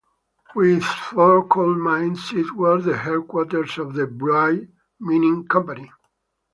With four coal mines, it was the headquarters of the Bruay Mining Company.